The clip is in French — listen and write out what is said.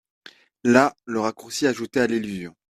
Là le raccourci ajoutait à l'illusion.